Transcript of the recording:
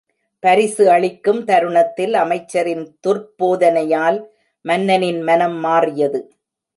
பரிசு அளிக்கும் தருணத்தில் அமைச்சரின் துர்ப்போதனையால் மன்னனின் மனம் மாறியது.